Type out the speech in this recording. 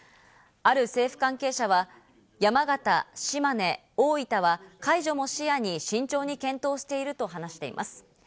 ある政府関係者は山形、島根、大分は解除も視野に慎重に検討していると話しています。